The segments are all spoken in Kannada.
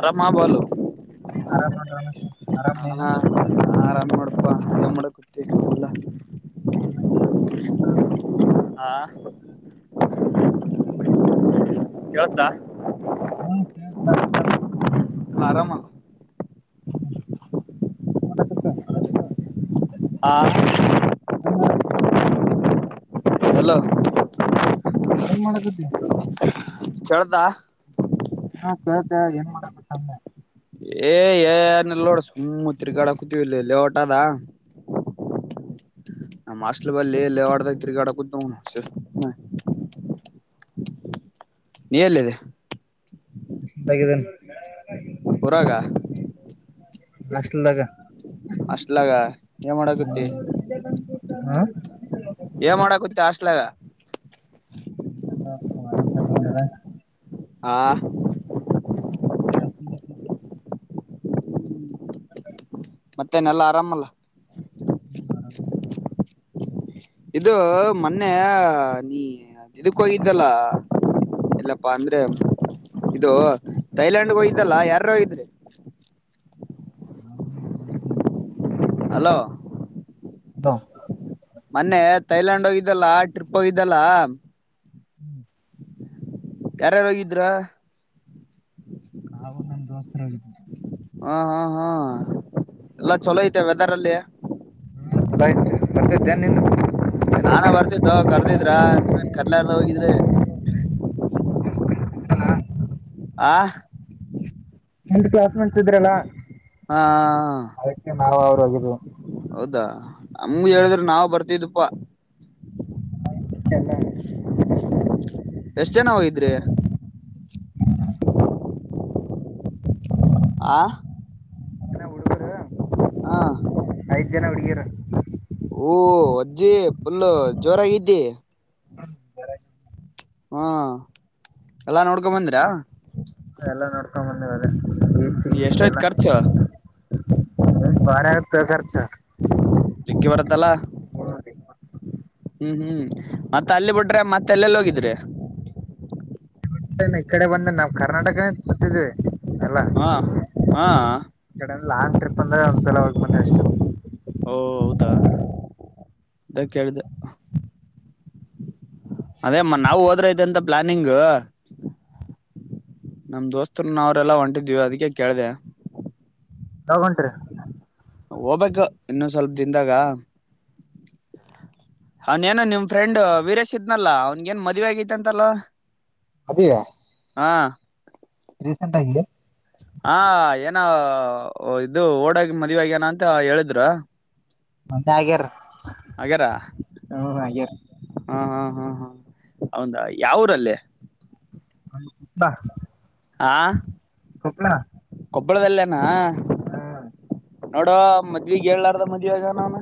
ಅರಮ ಬಾಲು. ಆರಾಮ್ ನೋಡ್ಧನುಷ್ ಆರಾಮ ನೀನ ಪ್ ಏನ್ಮಾಡಾಕತ್ತಿ ಇಲ್ಲಾ [unintelligible] ಹಾ ಕೇಳತ್ತಾ. [unintelligible] ಆರಾಮು ಮಾಡಕ್ಕತ್ತೀನಿ ಹಾ ಮಾಡತಿ [unintelligible] ಹಲೋ ಏನ್ ಮಾಡಕತ್ತಿ. ಕೇಳ್ತಾ ಹಾ ಕೇಳ್ತೇ ಏನ್ ಮಾಡಕತ್ತೊಮ್ಮೆ. ಏ ಏನಲ್ಲ ನೋಡು ಸುಮ್ಮ ತಿರಿಗಾಡ ಕುತೀವಿ ಇಲ್ಲಿ ಲೇಔಟ ಅದ. ಹ್ಮ್ ನಮ್ಮ ಹಾಸ್ಟೆಲ್ ಅಲ್ಲಿ ಲೇಔಟ್ ಬಂದಿ ತಿರುಗಾಡಕತ್ತೀವಿ ಶಿಸ್ತಗಿ. ನೀ ಎಲ್ಲಿದ್ಯ. ಸುಸ್ತಾಗಿದ್ದೇನೆ ಊರಾಗ ಹಷ್ಟಲ್ದಾಗ. ಹಷ್ಟಲಗ ಏ ಮಾಡಕ್ಕತ್ತಿ ಹಾ ಏ ಮಾಡಕತ್ತ ಹಾಸ್ಲಾಗ. [unintelligible] ಹಾ [unintelligible] [unintelligible] ಮತ್ತೇನೆಲ್ಲ ಆರಾಮಲ್ಲ. ಹ್ಮ್ ಆರಾಮ್ ಇದು ಮೊನ್ನೆ ನೀ ಇದಕ್ಕ ಹೋಗಿದ್ದಲ್ಲ ಎಲ್ಲ. ಬಂದ್ರೆ ಇದು ಥೈಲ್ಯಾಂಡ್ಗೆ ಹೋಗ್ದಲ್ಲ ಯಾರಾರೋಗಿದ್ರಿ. ನಾನು ನಮ್ ಗರ್ಲ್ ಫ್ರೆಂಡ್. ಹಲೋ ಹಲೋ ಮನ್ನೆ ತೈಲ್ಯಾನ್ಡ್ ಹೋಗ ಇದಲ್ಲ ಟ್ರಿಪ್ ಹೊಗಿದ್ ಇದಲ್ಲಾ ಹ್ಮ್ ಯಾರ್ಯಾರೋಗಿದ್ರ ನಾವು ನಮ್ ದೋಸ್ತ್ [unintelligible] ಹಾ ಹಾ ಹಾ ಎಲ್ಲ ಚಲೋ ಐತೆ ವೆದರ್ ಅಲ್ಲಿ. ಹಾ ಚಲೋ ಇತ್ತು ಬರ್ತಿದ್ದೆನ್ ನಿನ್ ನಾನಾ ಬರ್ತಿದ್ದೋ ಕರ್ದಿದ್ರ ನೀವೇನ್ ಕರಿಲಾರ್ದ್ ಎಲ್ಲ ಹೋಗಿದ್ರೆ ಆ. [inaudible] ಎಂಟ್ ಕ್ಲಾಸ್ ಹಾ ಅದಕ್ಕೆ ನಾವು ಅವ್ರು ಹೋಗಿದ್ವು ಹೌದಾ ನಮ್ಗ್ ಹೇಳಿದ್ರ ನಾವು ಬರ್ತಿದ್ದು. ಪ್ಪ. [unintelligible] ಝನ ಹೋಗಿದ್ರಿ. ಆ. ಮಗ್ನೆ ಹಡುಗುರ. ಆ. ಐದ ಜನಾ ಹುಡ್ಗಿರ. ಊ ಅಜ್ಜಿ ಫುಲ್ಲು ಜೋರಾಗ ಇದ್ದಿ. [unintelligible] ಹ್ಹೂ ಎಲ್ಲಾ ನೋಡ್ಕೊಂಬಂದಿರ್ಯಾ. ಎಲ್ಲಾ ನೋಡ್ಕೊಂಬ ಬಂದೇವಿ ಅಲ್ಲೇ ಗೀಚ್ ಹ್ಮ್ ಗೀಚ್ ಎಷ್ಟೋಯ್ತ್ ಜನಾ. ಖರ್ಚು ಹ್ಮ್ ಪಾಡ್ಯಾ ಪೇಕಾರಥಾ. ಜಗ್ಗಿ ಬರುತ್ತಲ್ಲಾ ಹ್ಮ್ ಹ್ಮ್ ಮತ್ತ ಅಲ್ಲಿ ಬಿಟ್ರೆ ಮತ್ತ ಎಲ್ಲೆಲ್ಲ ಹೋಗಿದ್ರಿ. ಪಟ್ಟನೆ ಈ ಕಡೆ ಬಂದ ನಾವ್ ಕರ್ನಾಟಕನೇ ಛತ್ತಿದೇ. ಎಲ್ಲ ಹಾ ಹಾ ಈ ಕಡೆನು ಲಾಂಗ್ ಟ್ರಿಪ್. ಪಂದ್ರ್ಯಾ ಒಂದ್ಸಲಾ ಹೋಗ ಬಂದ್ಯಾ ಎಷ್ಟು. ಹೋದಾ ಅದ ಕೇಳ್ದಿ ಅಹ್ ಅದೇಮ್ಮ ನಾವು ಯಾವಾಗ ಹೋದ್ರೆ ಇದೆ ಅಂತ ಪ್ಲಾನಿಂಗೂ. ನಮ್ ದೋಸ್ತರುನ್ನ ನಾವ್ರೆಲ್ಲಾ ಹೊಂಟಿದ್ವಿ ಅದಿಕ್ಕೆ ಕೇಳ್ದ್ಯಾ. ಯಾವಗ್ ಹೊಂಟಿರೀ. ಹೋಗ್ಬೇಕು ಇನ್ನೊ ಸ್ವಲ್ಪ ದಿನ್ದಾಗಾ ಹನ್ಯಾನ ನಿಮ್ ಫ್ರೆಂಡು ವೀರೇಶ್ ಇದ್ನಲ್ಲಾ ಅವನ್ಗೇನ್ ಮದ್ವಿ ಆಗಿತಿ ಅಂತಲ್ಲೊ. ಅಭಿಯ. ಹ್ಹಾ. ರೀಸೆಂಟ್ ಆಗಿಲೇ. ಹಾ ಏನವ ಓ ಇದು ಓಡ ಹೋಗಿ ಮದುವಿ ಆಗ್ಯಾನ ಅಂತ ಹೇಳಿದ್ರು. ಮಂದಾಗ್ಯರ ಹ್ ಆಗ್ಯಾರ. ಹಾ ಹಾ ಹಾ ಅವುಂದಾ ಯಾ ಊರ ಅಲ್ಲೇ. ಗಂಡ ಕುತ್ತಾ. ಆ ಕೊಪ್. ಬುಡದಲ್ಲೇನಾ. ಹ್ಮ್ ನೋಡೋ ಮದ್ವಿಗ್ ಹೇಳ್ಲಾರ್ದ ಮದ್ವೆ ಆಗ್ಯಾನ ಅವ್ನ.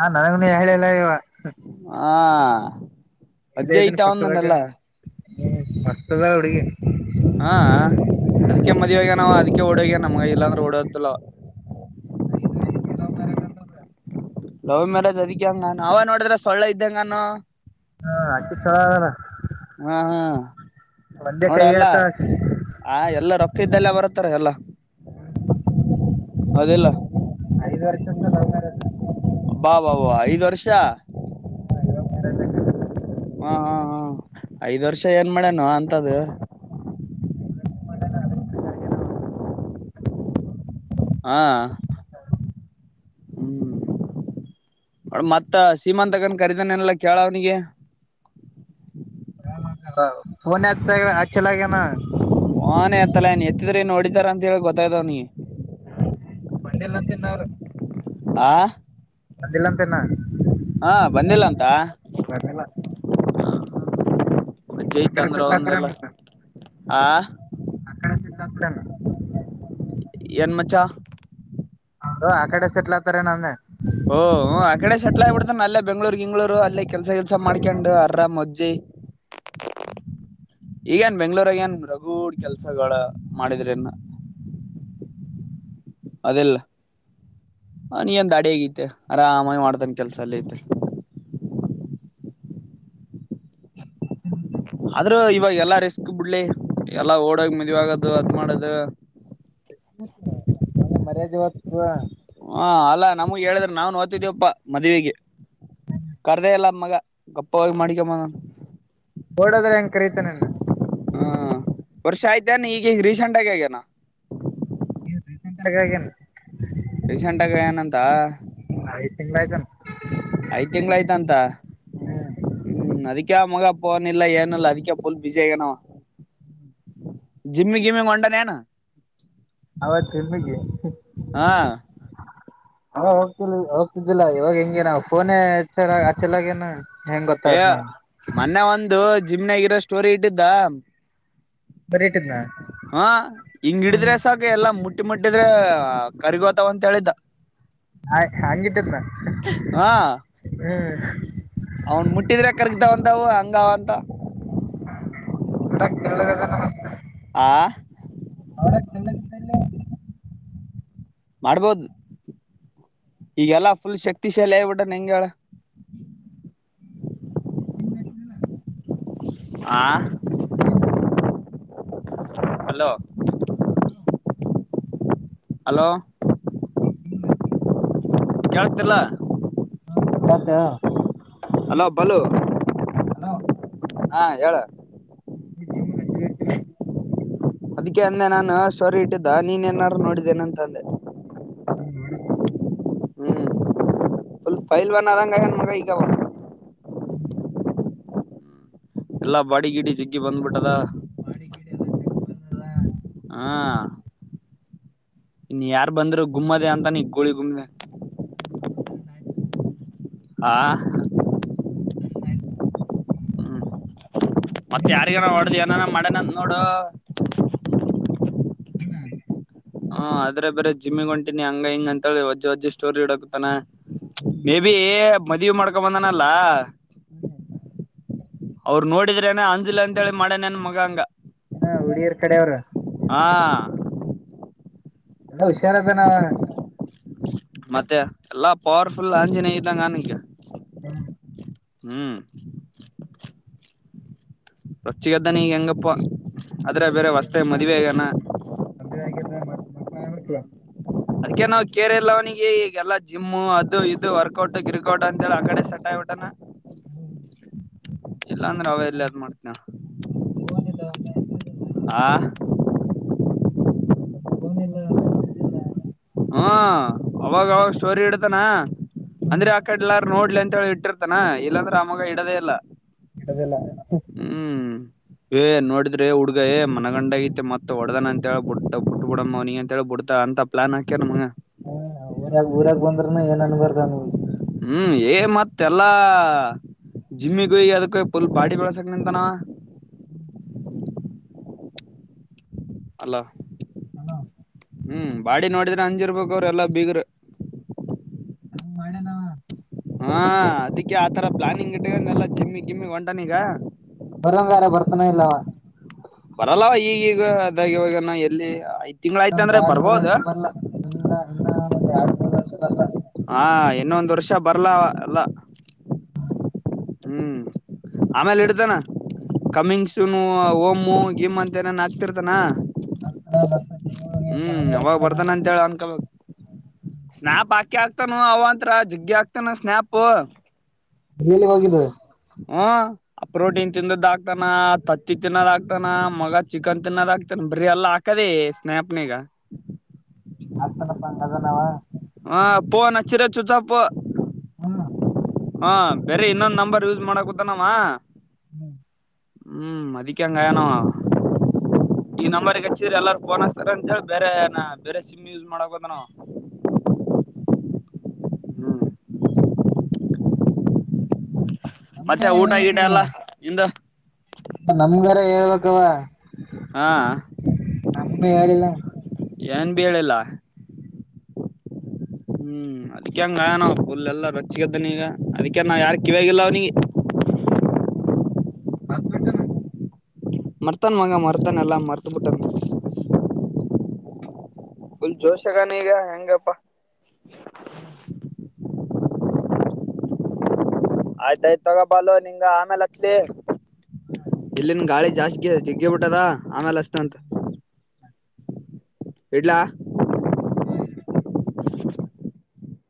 ನಾನ್ ಅವ್ನಿ ಹೇಳಿಲ್ಲ ಇವ ಹ್. ಆ. ಇಲ್ಲೇ ಇದೀನಿ ಪಕ್ಕದಾಗ ಪಕ್ಕದಾಗ ಹುಡ್ಗಿ. [inaudible] ಹಾ ಅದಿಕ್ಕೆ ಮದ್ವಿ ಆಗ್ಯಾನ ಅವ ಅದಿಕ್ಕೆ ಓಡ ಹೋಗ್ಯಾನ ಮಗಾ ಇಲ್ಲಾ ಅಂದ್ರ ಓಡ್ ಹೋಗ್ತಿಲ್ಲವ್. ಐದು ವರ್ಷದ ಲವ್ ಮ್ಯಾರೇಜ್ ಅಂತ ಅದ. ಲವ್ ಮ್ಯಾರೇಜ್ ಅದಿಕ್ಕೆ ಹಂಗಾನಾ ಅವ ನೋಡಿದ್ರೆ ಸೊಳ್ಳೆ ಇದ್ದಂಗನೋ. ಹಾ ಹಕಿ ಚಲೋ ಆಗ್ಯದ. ಹಾ ಹಾ ನೋಡ ಎಲ್ಲಾ ಆ ಎಲ್ಲ ರೊಕ್ಕ ಇದ್ದಲ್ಲ ಬರುತ್ತಾರ ಎಲ್ಲ ಹೌದಿಲ್ಲ. ಐದ್ ವರ್ಷ ಅಂತ ಲವ್ ಮ್ಯಾರೇಜ್ ಅಂತ. ಅಬ್ಬಬಾ ಐದ್ ವರ್ಷ. [inaudible] ಹಾ ಹಾ ಹ ಐದ್ ವರ್ಷ ಏನ್ ಮಾಡೇನು ಅಂತದು. [unintelligible] ಹಾ ಹ್ಮ್ ಮತ್ತ ಸೀಮಾಂತಗನ್ ಖರೀದಾನೇನಲ್ಲ ಕೇಳ ಅವ್ನಿಗೆ. ಒ ಫೋನ್ ಹೆತ್ತಲ ಹಚ್ಚಲಾಗ್ಯಾನ. ಫೋನ್ ಎತ್ತಲಗ್ಯಾನ ಎತ್ತಿದ್ರ ಇನ್ನ ಹೊಡಿತಾರೆ ಅಂತ ಹೇಳಿ ಗೊತ್ತಾಯ್ದ ಅವ್ನಿಗೆ. ಬಂದಿಲ್ಲ ಅಂತ ಇನ್ನು ಅವ್ರು. ಆ ಬಂದಿಲ್ಲ ಅಂತ ಇನ್ನ. ಹಾ ಬಂದಿಲ್ಲ ಅಂತ. ಬರ್ಲಿಲ್ಲ ವಜ್ಜಿ ಆ ಐತಿ ಕಡೆ ಅಂದ್ರ ಸೆಟ್ಲ್ ಅವನ್ದ ಎಲ್ಲಾ ಆತಾರೇನ ಆ. [unintelligible] ಏನ್ ಮಚ್ಚಾ. ಅವರು ಆ ಕಡೆ ಸೆಟ್ಲ್ ಆತರೆನ್ ಅಂದೇ. ಓಹ್ ಹೂ ಆ ಕಡೆ ಸೆಟ್ಲ ಆಗ್ಬಿಡ್ತನ ಅಲ್ಲೇ ಬೆಂಗಳೂರ್. ರು ಗಿಂಗಳೂರು ಅಲ್ಲೇ ಕೆಲ್ಸ ಗಿಲ್ಸ ಮಾಡ್ಕೊಂಡ್ ಅರ್ರಾಮ ವಜ್ಜೆ ಈಗ ಎನ್ ಬೆಂಗ್ಳೂರಾಗ ಏನ್ ರಗುಡ್ ಕೆಲ್ಸಗಳ ಮಾಡಿದ್ರ ಇನ್ ಅದಿಲ್ಲ. ಅವ್ನಿಗೆನ್ ದಾಡಿ ಆಗೇತಿ ಆರಾಮಾಗಿ ಮಾಡ್ತನ್ ಕೆಲ್ಸ ಅಲ್ಲೇ ಇದ್ದ್. ಆದ್ರೂ ಇವಾಗ್ ಎಲ್ಲಾ ರಿಸ್ಕ್ ಬುಡ್ಲೆ ಎಲ್ಲಾ ಓಡೋಗಿ ಮದ್ವಿ ಆಗದು ಅದ್ ಮಾಡೋದು. ಮರ್ಯಾದಿ ಹೊತ್ತದ. ಹಾ ಅಲ್ಲಾ ನಮುಗ್ ಹೇಳಿದ್ರ ನಾವುನು ಹೊತ್ದೀವಪ್ಪ ಮದ್ವಿಗೆ ಕರ್ದೇ ಇಲ್ಲ ಮಗ ಗಪ್ಪವಾಗಿ ಮಾಡಿಕೇಮ್ಮ್ ಬಂದನ. ಓಡೋದ್ರ ಹೆಂಗ್ ಕರೀತನ್ ಏನ್. ಹಾ ವರ್ಷ ಆಯ್ತಾನ್ ಈಗ್ ಈಗ್ ರೀಸೆಂಟ್ ಆಗಿ ಆಗ್ಯನಾ. ಈಗ್ ರಿಸೆಂಟ್ ಆಗಿ ಆಗ್ಯಾನ. ರೀಸೆಂಟಾಗಿ ಆಗ್ಯಾನಂತ. ತಿಂಗಳಯ್ತೆನ್. ಐದ್ ತಿಂಗ್ಳ ಆಯ್ತಂತ ಹ್ಮ್ ಹ್ಮ ಅದಿಕೆ ಆ ಮಗ ಪ್ಪೋನಿಲ್ಲ ಏನಿಲ್ಲ ಅದಿಕೆ ಫುಲ್ ಬಿಸಿ ಆಗ್ಯನ ಅವ ಜಿಮ್ಮಿ ಗಿಮ್ಮಿ ಹೊಂಟಾನ್ ಏನ್. ಅವತ್ತಿಮ್ಮಿಗಿ. ಹಾ ಅವಾಗ್ ಹೋಗ್ ಹೋಗ್ತಿದ್ದಿಲ್ಲ ಇವಾಗ ಹೆಂಗೆನ ಫೋನೇ ಆಚ ಅಚಲಾಗೇನ. ಹೇ ಮನ್ನೆ ಒಂದು. ಜಿಮ್ನಾಗಿರೋ ಸ್ಟೋರಿ ಇಟ್ಟಿದ್ದ. ಬರೀಟಿದ್ನ ಹಾ ಹಿಂಗ್ ಹಿಡಿದ್ರೆ ಹ್ಮ್ ಸಾಕ್ ಎಲ್ಲಾ ಮುಟ್ ಮುಟ್ಟಿದ್ರೆ ಕರಿಗೋತ್. ಅತವ್ ಅಂತ ಹೇಳಿದ್ದ. ಹಾಯ್ ಹ್ಯಾಂಗಿದ್ರನ ಹ ಹ್ಮ್. ಅವನ್ ಮುಟ್ಟಿದ್ರೆ ಕರ್ಗತಾವಂತವು ಹಂಗಾವಂತ. [unintelligible] ಆ [unintelligible] ಮಾಡ್ಬೋದು ಈಗೆಲ್ಲಾ ಫುಲ್ ಶಕ್ತಿಶಾಲಿ ಆಗ್ಬಿಟ್ಟನ್ ಹೆಂಗ್ ಹೇಳ ಲ್ಲ [unintelligible] ಆ [inaudible] ಹಲೋ ಹಲೋ [inaudible] ಕೇಳುತ್ತಿಲ್ಲ. ಬತ್ತ ಹಲೋ ಬಾಲು ಹಲೋ ಹಾ ಹೇಳು ನೀ ಜಿಮ್ಗ್ ಹಚ್ಬೇಕತಿಲ್ಲ. ಅದಕ್ಕೆ ಅಂದೆ ನಾನು ಸ್ಟೋರಿ ಇಟ್ಟಿದ್ದ ನೀನೇನಾರು ನೋಡಿದ್ದೇನ ಅಂತಂದೆ. ಹ್ಮ್ ಫುಲ್ ಫೈಲ್ವಾನ್ ಆದಂಗ್ ಆಗ್ಯಾನ ಮಗ ಈಗವ. ಎಲ್ಲಾ ಬಾಡಿ ಗೀಡಿ ಜಿಗ್ಗಿ ಬಂದ್ಬಿಟ್ಟದ. ದೆ. ಇನ್ಯಾರ್ ಬಂದ್ರು ಗುಮ್ಮದೆ ಅಂತಾನ ಈ ಗೂಳಿ ಗುಮ್ಲೆ. [unintelligible] ಹಾಂ [unintelligible] ಮತ್ತ ಯಾರಿಗನ ಹೊಡ್ದ್ ಏನಾನ ಮಾಡ್ಯನಂತ್ ನೋಡೊ [inaudible] ಹ್ಮ್ ಆದ್ರ ಬೇರೆ ಜಿಮ್ಮಿಗ್ ಹೊಂಟಿನಿ ಹಂಗ ಹಿಂಗ ಅಂತ ಹೇಳಿ ವಜ್ಜ ವಜ್ಜ ಸ್ಟೋರಿ ಇಡಾಕತ್ತನ. ಮೇಬಿ ಮದಿವಿ ಮಾಡ್ಕೊ ಬಂದನಲ್ಲಾ ಹ್ಮ್ ನೋಡಿದ್ರೇನೆ ಅಂಜಲಂತ್ ಹೇಳಿ ಹ ಹುಡಿರ್ ಕಡೆ ಅವ್ರು. ಹಾಂ ಎಲ್ಲ ಹುಷಾರದನ ಮತ್ತೆ ಎಲ್ಲಾ ಪವರ್ಫುಲ್ ಅಂಜನೇ ಇದ್ದಂಗಾನಿಗ ಹ್ಮ್. [inaudible] ರೊಚ್ಚಿಗೆದ್ದಾನ ಈಗ ಹೆಂಗಪ್ಪ. ಆದ್ರೆ [unintelligible] ಬೇರೆ ಹೊಸ್ತಾಗಿ ಮದ್ವೆ ಆಗ್ಯಾನ ಮದುವೆ ಆಗಿದೆ ಮತ್ತ್ ಮಕ್ಳು ಆಗಬೇಕಲ. ಅದ್ಕ್ಕೆ ನಾವ್ ಕೇರೆ ಇಲ್ಲ ಅವನಿಗೆ ಈಗ ಎಲ್ಲ ಜಿಮ್ಮು ಅದು ಇದು ವರ್ಕೌಟ್ ಕ್ರಿಕೌಟ್ ಅಂತಲ್ಲ ಆ ಕಡೆ ಸೆಟ್ ಆಬಟನ. ಇಲ್ಲ ಅಂದ್ರೆ ಅವ ಎಲ್ಲಿ ಅದ್ ಮಾಡ್ತನ ಫೋನ್ ಇಲ್ಲ ಮೆಸೇಜ್ ಇಲ್ಲ ಆ. ಒಂದು ಫೋನ್ ಇಲ್ಲ ಮೆಸೇಜ್ ಇಲ್ಲ. ಹಾ ಅವಾಗ ನಮ್ ಅವಾಗ ಕಡೆ ಸ್ಟೋರಿ ಇಡತಾನ ಹ್ಮ್ ಅಂದ್ರೆ ಆಕಡ್ಲಾರ ನೋಡ್ಲಿ ಅಂತ ಇ ಇಟ್ಟಿರ್ತಾನ ಇಲ್ಲಾಂದ್ರ ಆಮಾಗ ಇಡದೆ ಇಲ್ಲ ಇಡದಿಲ್ಲ ಹ್ಮ್ ಏ ನೋಡಿದ್ರೆ ಹುಡ್ಗ ಏ ಮನಗಂಡ ಆಗತೆ ಮತ್ ಹೊಡ್ದನ ಅಂತ ಹೇಳಿ ಬುಟ್ ಬುಟ್ಟ ಬಿಟ್ಟ ಬಿಡಮ್ಮ ಅವನಿಗ ಅಂತ ಹೇಳಿ ಬಿಡ್ತಾ ಅಂತ ಪ್ಲಾನ್ ಹಾಕ್ಯರ್ ನಮಗ. ಹ್ಮ್ ಊರಾಗ್ ಊರಾಗ್ ಬಂದ್ರನು ಏನ್ ಅನ್ಬಾರ್ದ ಅವ್ನಿಗೆ ಹ್ಮ್ ಏ ಮತ್ತೆಲ್ಲಾ ಜಿಮ್ಮಿಗ ಹೋಗಿ ಅದಕ್ಕ ಪುಲ್ ಬಾಡಿ ಬೆಲಸ [unintelligible] ಹ್ಮ್ ಹಲೋ ಹ್ಮ್ ಬಾಡಿ ನೋಡಿದ್ರೆ ಅಂಜಿರ್ಬೇಕ್ ಅವ್ರರು ಎಲ್ಲಾ ಬಿಗರು ಅಂಗ್ ಮಾಡೆನ. ಹಾ ಅದಕ್ಕೆ ಆತರ ಪ್ಲಾನಿಂಗ್ ಇಟ್ಕಂಡ್ ಎಲ್ಲಾ ಜಿಮ್ಮಿಗ್ ಗಿಮ್ಮಿಗ್ ಹೊಂಟಾನ ಈಗ. ಬರೋನ್ ಬೇರೆ ಬರ್ತಾನೇ ಇಲ್ಲ ಅವ ಬರಲ್ಲವ ಈಗೀಗ ಅದಾಗ ಹೋಗ್ಯಾನ್ ಎಲ್ಲಿ ಆಯ್ ಇನ್ನೊಂದ್ ಎರಡ್ ಮೂರು ವರ್ಷ ಬರ್ಲಾ ಇಂದ ಇನ್ನ ಎರಡ್ ಮೂರ ವರ್ಷ ಬರ್ಲ ಹಾ ಇನ್ನೊ ಒಂದ್ ವರ್ಷ ಬರಲ್ಲ ಅವ ಅಲ್ಲ ಹ್ಮ್ ಆಮೇಲೆ ಇಡ್ತಾನ ಕಮಿಂಗ್ ಸೂನು ಹೊಮು ಗಿಮ್ ಅಂತ ಏನೇನ್ ಹಾಕ್ತಿರ್ತಾನ. ಹಸ್ತಾನ ಬರ್ತ ಜಿಮ್ ಹೋಗಿ ಹ್ಮ್ ಬಾಡಿ ಅವಾಗ ಹಸ್ತಾನ ಬರ್ತಾನ ಅಂತ ಹೇಳ ಅನ್ಕಬೇಕು ಸ್ನ್ಯಾಪ್ ಹಾಕೇ ಹಾಕ್ತನ್ ಆತಾನು ಅವಂತ್ರ ಜಗ್ಗಿ ಹಾಕ್ತಾನ ಸ್ನ್ಯಾಪ್ [unintelligible] ಆಗಿದೆ ಹ ಆ ಪ್ರೋಟೀನ್ ತಿಂದದ್ ಆಕ್ತಾನ ತತ್ತಿ ತಿನ್ನೋದ್ ಆಕ್ತಾನ ಮಗ ಚಿಕನ್ ತಿನ್ನೋದ್ ಆಕ್ತಾನ ಬರಿ ಎಲ್ಲ ಹಾಕದಿ ಸ್ನ್ಯಪ್ನಗ ಹತ್ತನಪ್ಪಾಂಗ ಅದನಾವ ಹಾ ಫೋನ್ ಹಚ್ರೆ ಚುಚಾಪ್ಪು. ಹಾ ಹಾ ಬೇರೆ ಇನ್ನೊಂದ್ ನಂಬರ್ ಯೂಸ್ ಮಾಡಕುತಾನವ ಹ್ಮ್ ಹ್ಮ್ ಅದಿಕೆ ಹಂಗಾಯನವ ಈ ನಂಬರ್ಗ್ ಹಚ್ಚಿದ್ರ ಎಲ್ಲಾರು ಫೋನ್ ಹಚ್ತಾರ್ ಅಂತೇಳಿ ಬೇರೆ ಏನ ಬೇರೆ ಸಿಮ್ ಯೂಸ್ ಮಾಡಕೊತಾನವ. ಹ್ಮ್ ಹ್ಮ್ ಮತ್ತೆ ನಮ್ಗಾರ ಊಟಗೀಟ ಎಲ್ಲ ನಿಂದು? ನಮ್ಗರಾ ಹೇಳ್ಬೇಕವ. ಹಾ ನಂಬಿ ಹೇಳಿಲ್ಲ. ಏನ್ಬಿ ಹೇಳಿಲ್ಲ. ಹ್ಮ್ ಅದಿಕೆ ಹಂಗ್ ಆಗ್ಯಾನವ್ ಪುಲ್ ಎಲ್ಲಾ ರೊಚ್ಚಿಗೆದ್ದಾನೀಗ. ಅದಕ್ಕೆ ನಾವ್ಯಾರು ಕಿವ್ಯಗಿಲ್ಲ ಅವ್ನಿಗೆ. ಹಾಕ್ಬಿಟ್ಟಾನ. ಮರ್ತನ್ ಮಗ ಮರ್ತಾನ ಎಲ್ಲಾ ಮರ್ತ ಬಿಟ್ಟನೆ. ಫುಲ್ ಜೋಶಗಾನ ಈಗ ಹೆಂಗಪ್ಪಾ. ಆಯ್ತಾಯ್ತತ್ ತಗೋಪಾ ಲೊ ನಿಂಗ ಆಮೇಲ್ ಹಚ್ಲಿ ಇಲ್ಲಿನ್ ಗಾಳಿ ಜಾಸ್ತಿಗೆ ಜೆಗ್ಗೆ ಬಿಟ್ಟದ ಆಮೇಲೆ ಹ ತ್ತಂತ ಇಡ್ಲಾ. [inaudible]